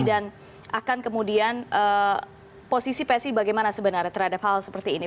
dan akan kemudian posisi psi bagaimana sebenarnya terhadap hal seperti ini